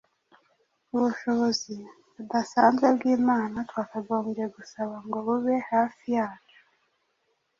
ubushobozi budasanzwe bw’Imana twakagombye gusaba ngo bube hafi yacu,